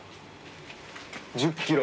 １０キロ！